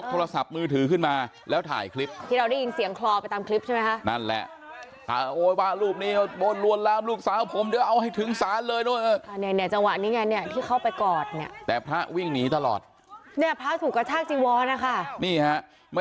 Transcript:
จังหวะนี่ไงเนี้ยที่เขาไปกอดเนี้ยแต่พระวิ่งหนีตลอดเนี้ยพระถูกกระชากจีว้อนะคะนี่ฮะไม่ได้มี